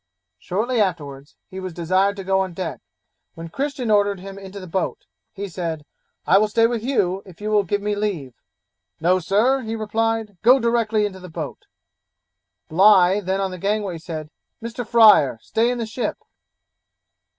Shortly afterwards he was desired to go on deck, when Christian ordered him into the boat: he said, 'I will stay with you, if you will give me leave.' 'No, Sir,' he replied, 'go directly into the boat.' Bligh, then on the gangway, said, 'Mr. Fryer, stay in the ship.'